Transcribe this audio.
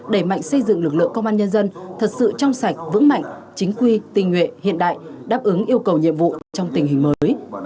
đẩy mạnh xây dựng lực lượng công an nhân dân thật sự trong sạch vững mạnh chính quy tình nguyện hiện đại đáp ứng yêu cầu nhiệm vụ trong tình hình mới